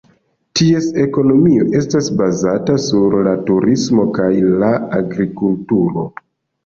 Ties ekonomio estas bazata sur la turismo kaj la agrikulturo.